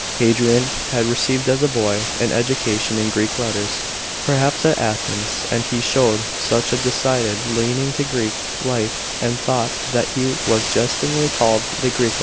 f § 3. Hadrinn had received as a boy an education in Greek letters, perhaps at Athens, and he showed such a decided leaning to Greek life and thought that he was jestingly called the " Greekliiig."